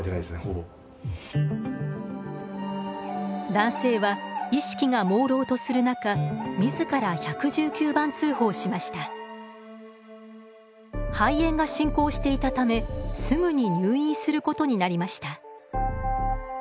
男性は意識がもうろうとする中肺炎が進行していたためすぐに入院することになりました。